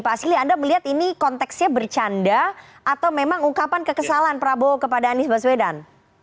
pak asli anda melihat ini konteksnya bercanda atau memang ungkapan kekesalan prabowo kepada anies baswedan